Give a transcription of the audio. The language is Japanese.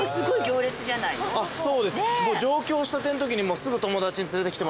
そうです。